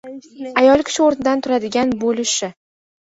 Ayol kishi o‘rnidan turadigan bo‘lвшю